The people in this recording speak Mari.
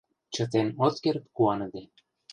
Чытен от керт куаныде».